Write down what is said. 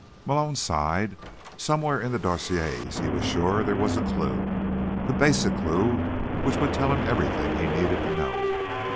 Malone sighed. Somewhere in the dossiers, he was sure, there was a clue, the basic clue that would tell him everything he needed to know.